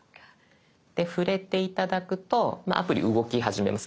触れて頂くとアプリ動き始めます。